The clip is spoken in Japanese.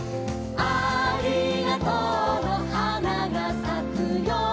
「ありがとうのはながさくよ」